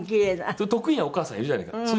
得意なお母さんいるじゃないですか。